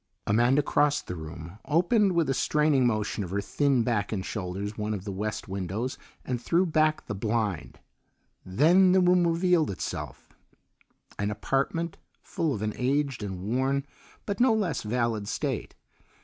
Amanda crossed the room, opened with a straining motion of her thin back and shoulders one of the west windows, and threw back the blind. Then the room revealed itself an apartment full of an aged and worn but no less valid state.